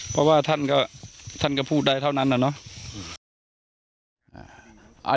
เพราะว่าท่านก็พูดได้เท่านั้นอะเนาะ